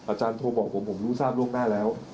อาจารย์โทรบอกผมผมรู้ทราบล่วงหน้าแล้ว